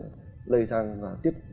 được lây sang và tiếp